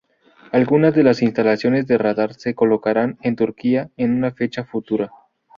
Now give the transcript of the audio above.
Algunas de las instalaciones de radar se colocarán en Turquía, en una fecha futura.